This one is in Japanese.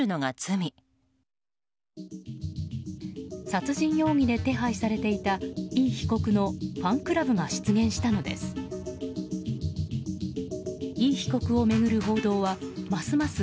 殺人容疑で手配されていたイ被告のファンクラブが出現したのです。